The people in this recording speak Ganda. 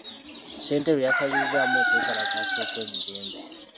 Ssentebe yasazizzaamu okwekalakaasa okw'emirembe.